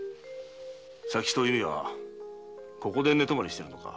左吉とお弓はここで寝泊まりしてるのか。